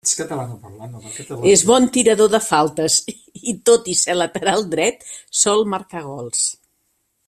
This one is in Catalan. És bon tirador de faltes i, tot i ser lateral dret, sol marcar gols.